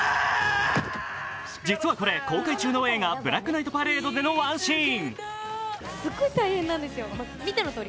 実はこれ、公開中の映画「ブラックナイトパレード」でのワンシーン。